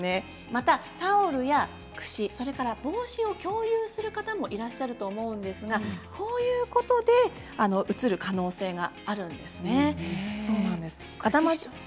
また、タオルやクシ、帽子を共有する方もいらっしゃると思うんですがこういうことでうつる可能性があるんですね。